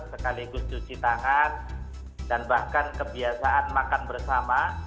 sekaligus cuci tangan dan bahkan kebiasaan makan bersama